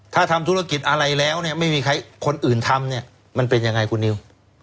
ถ้าทำธุรกิจอะไรแล้วเนี่ยไม่มีใครคนอื่นทำเนี่ยมันเป็นยังไงคุณนิว